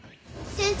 先生。